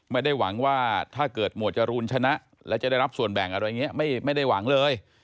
ไม่ได้หวังว่าถ้าเกิดหมวดจรูนชนะและจะได้รับส่วนแบ่งอะไรอย่างนี้ไม่ได้หวังเลย